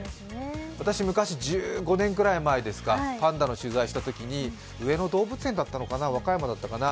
私、昔、１５年くらい前ですか、パンダの取材したときに、上野動物園だったのかな和歌山だったかな。